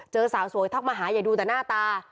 สาวสวยทักมาหาอย่าดูแต่หน้าตา